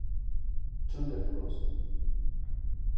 Thunder Cross